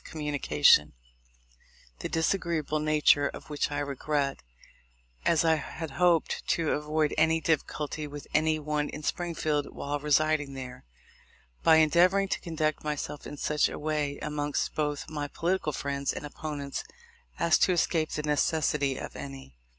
249 communication, the disagreeable nature of which I regret, as I had hoped to avoid any difficulty with any one in Springfield while residing there, by endeavoring to conduct myself in such a way amongst both my political friends and opponents, as to escape the necessity of any.